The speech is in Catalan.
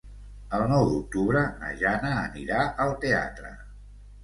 El nou d'octubre na Jana anirà al teatre.